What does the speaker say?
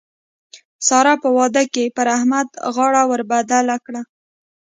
سار په واده کې پر احمد غاړه ور بدله کړه.